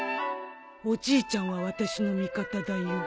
おじいちゃんは私の味方だよ。